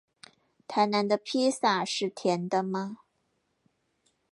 台南的披薩是甜的嗎？